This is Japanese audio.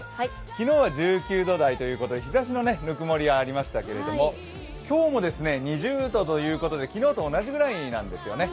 昨日は１９度台ということで日ざしの温もりがありましたけど、今日も２０度ということで、昨日と同じぐらいなんですよね。